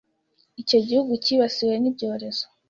Icyo gihugu cyibasiwe nibyorezo